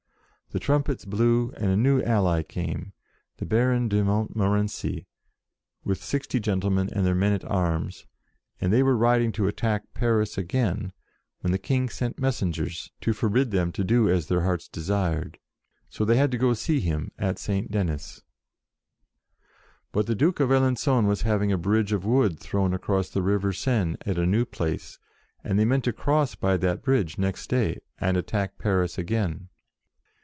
The trumpets blew, and a new ally came, the Baron de Montmorency, with sixty gentlemen and their men at arms, and they were riding to attack Paris again when the King sent messengers to forbid unded under the walls of Parie BETRAYED 75 them to do as their hearts desired. So they had to go to see him at Saint Denis. But the Duke of Alen^on was having a bridge of wood thrown across the river Seine, at a new place, and they meant to cross by that bridge next day, and attack Paris again.